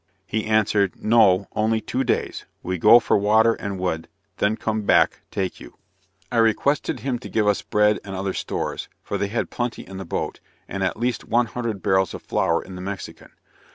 he answered, "no, only two days we go for water and wood, then come back, take you." I requested him to give us bread and other stores, for they had plenty in the boat, and at least one hundred barrels of flour in the Mexican.